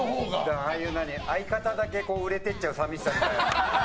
相方だけ売れていっちゃう寂しさみたいな。